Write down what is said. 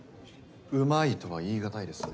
うまいとは言い難いですね。